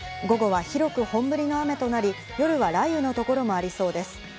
午後は広く本降りの雨となり、夜は雷雨の所もありそうです。